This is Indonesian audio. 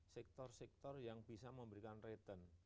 sektor sektor yang bisa memberikan return